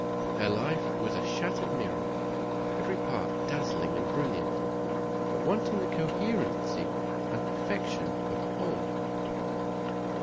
Her life was a shattered mirror; every part dazzling and brilliant, but wanting the coherency and perfection of a whole.